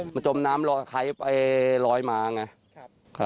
มันจมน้ำรอยไหมไปรอยหมาไง